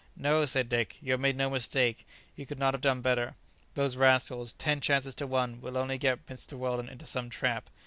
"No," said Dick; "you have made no mistake; you could not have done better; those rascals, ten chances to one, will only get Mr. Weldon into some trap.